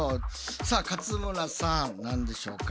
さあ勝村さん何でしょうか？